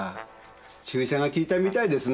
注射が効いたみたいですね。